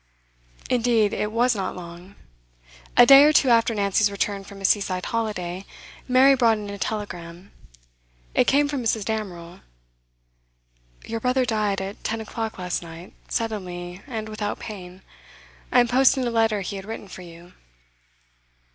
Indeed, it was not long. A day or two after Nancy's return from a seaside holiday, Mary brought in a telegram. It came from Mrs. Damerel. 'Your brother died at ten o'clock last night, suddenly, and without pain. I am posting a letter he had written for you.